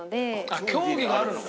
競技があるのか！